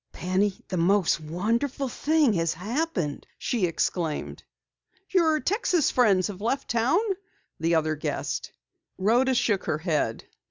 "Penny, the most wonderful thing has happened!" she exclaimed. "Your Texas friends have left town?" the other guessed. Rhoda shook her head.